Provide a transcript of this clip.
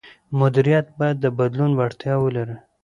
مدیریت باید د بدلون وړتیا ولري.